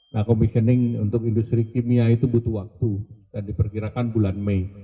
nah commissioning untuk industri kimia itu butuh waktu dan diperkirakan bulan mei